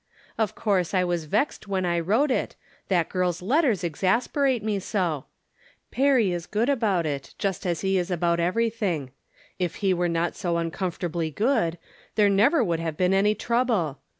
Of course I was vexed when I wrote it, hat girl's letters exasperate me so ! Perry is ood about it, just as he is about everything. If e were not so uncomfortably good, there never rould have been any trouble.